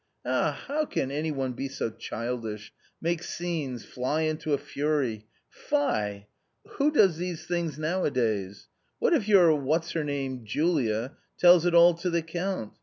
Ah, how can any one be so childish — make scenes — fly into a fury ? fie ! Who does these things nowadays ? What if your — what's her name — Julia — tells it all to the Count